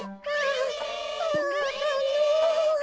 ああの。